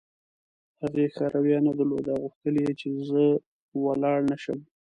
هغې ښه رویه نه درلوده او غوښتل یې چې زه ولاړ نه شم.